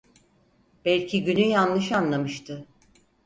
Belki günü yanlış anlamıştı…